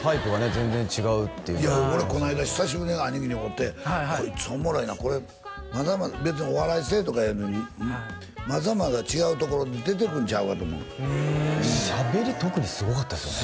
全然違うっていう俺こないだ久しぶりに兄貴に会うてこいつおもろいなこれまだまだ別にお笑いせえとかまだまだ違うところ出てくんちゃうかと思うしゃべり特にすごかったですよね